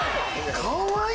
かわいい！